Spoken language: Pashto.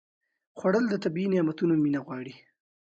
خوړل د طبیعي نعمتونو مینه غواړي